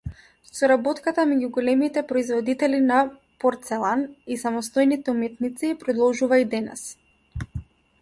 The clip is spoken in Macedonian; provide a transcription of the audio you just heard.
Соработката меѓу големите производители на порцелан и самостојните уметници продолжува и денес.